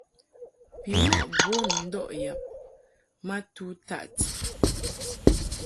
Bimɔʼ bun ndɔʼ yab ma tu taʼti.